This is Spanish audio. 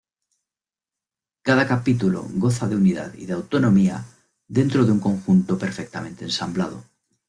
Cada capítulo goza de unidad y de autonomía dentro de un conjunto perfectamente ensamblado.